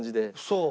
そう。